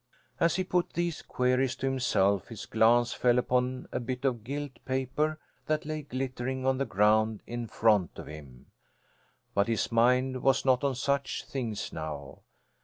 As he put these queries to himself his glance fell upon a bit of gilt paper that lay glittering on the ground in front of him. But his mind was not on such things now.